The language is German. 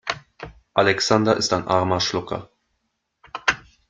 Alexander ist ein armer Schlucker.